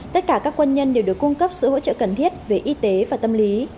tất cả các quân nhân đều được cung cấp sự hỗ trợ cần thiết về y tế và tâm lý